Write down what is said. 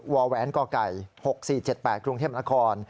ววก๖๔๗๘กรุงเทพนคร